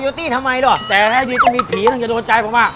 แต่แท้ที่จะมีผีคงจะโดดใจผม